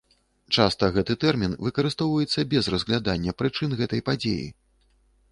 Часта гэты тэрмін выкарыстоўваецца без разглядання прычын гэтай падзеі.